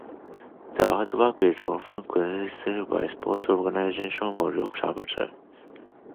The artworks are often commissioned by sports organisations or sponsors.